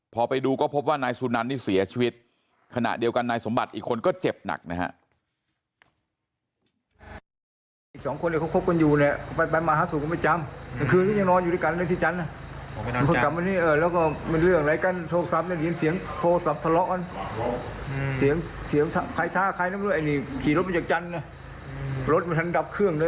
พอไปดูก็พบว่านายสุนันนี่เสียชีวิตขณะเดียวกันนายสมบัติอีกคนก็เจ็บหนักนะฮะ